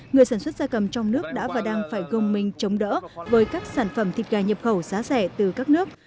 người sản xuất gia cầm trong nước đã và đang phải gông minh chống đỡ với các sản phẩm thịt gà nhập khẩu giá rẻ từ các nước